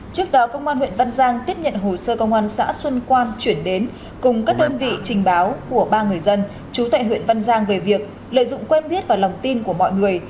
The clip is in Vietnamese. trước đó công an huyện văn giang tiếp nhận hồ sơ công an xã xuân quan chuyển đến cùng các đơn vị trình báo của ba người dân chú tại huyện văn giang về việc lợi dụng quen biết và lòng tin của mọi người